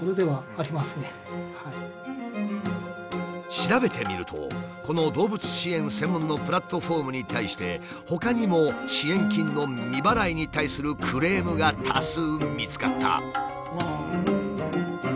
調べてみるとこの動物支援専門のプラットフォームに対してほかにも支援金の未払いに対するクレームが多数見つかった。